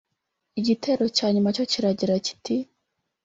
Igitero cya nyuma cyo kiragira kiti